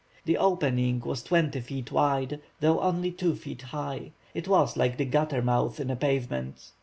The opening was twenty feet wide, though only two feet high. It was like the gutter mouth in a pavement.